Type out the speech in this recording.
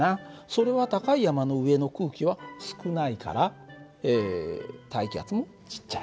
それは高い山の上の空気は少ないから大気圧もちっちゃい。